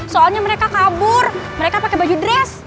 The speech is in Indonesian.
soalnya mereka kabur mereka pakai baju dress